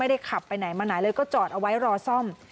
ขับไปไหนมาไหนเลยก็จอดเอาไว้รอซ่อม